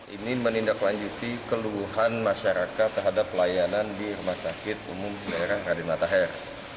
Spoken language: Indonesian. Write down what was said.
ini menindaklanjuti keluhan masyarakat terhadap layanan di rumah sakit umum daerah raden matahir